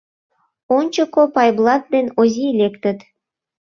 Ончыко Пайблат ден Озий лектыт.